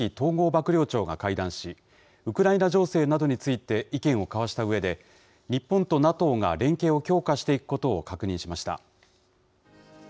幕僚長が会談し、ウクライナ情勢などについて、意見を交わしたうえで、日本とＮＡＴＯが連携を強化していくことを確認しました。